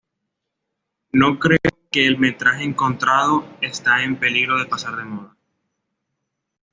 No creo que el metraje encontrado está en peligro de pasar de moda.